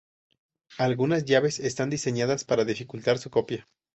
Algunas llaves están diseñadas para dificultar su copia.